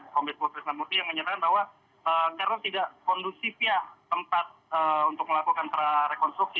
komitmen presiden murti yang menyatakan bahwa karena tidak kondusifnya tempat untuk melakukan prarekonstruksi